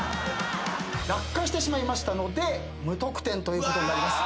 落下してしまいましたので無得点ということになります。